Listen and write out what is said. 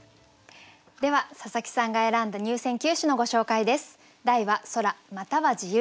では佐佐木さんが選んだ入選九首のご紹介です。